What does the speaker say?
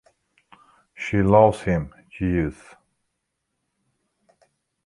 She loves him, Jeeves.